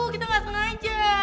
kita gak sengaja